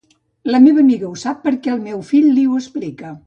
La meva amiga ho sap perquè el meu fill li ho explica.